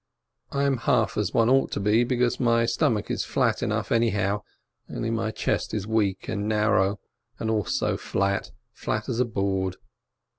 I am half as one ought to be, because my stomach is flat enough anyhow, only my chest is weak and narrow and also flat — flat as a board.